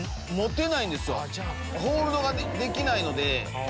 ホールドができないので。